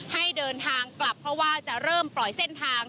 ให้เดินทางกลับเพราะว่าจะเริ่มปล่อยเส้นทาง